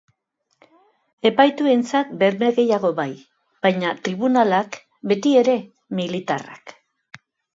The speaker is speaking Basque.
Epaituentzat berme gehiago bai, baina, tribunalak, betiere, militarrak.